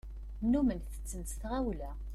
Nnumen tetten s tɣawla.